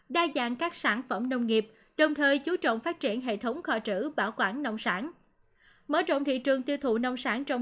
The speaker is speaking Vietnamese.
đa dạng các sản phẩm nông nghiệp đồng thời chú trọng phát triển hệ thống kho trữ bảo quản nông sản